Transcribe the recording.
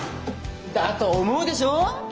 だと思うでしょう？